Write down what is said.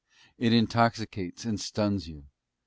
It intoxicates, and stuns you.